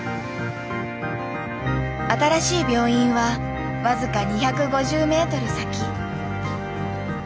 新しい病院は僅か２５０メートル先。